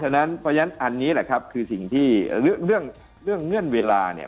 ฉะนั้นเพราะฉะนั้นอันนี้แหละครับคือสิ่งที่เรื่องเงื่อนเวลาเนี่ย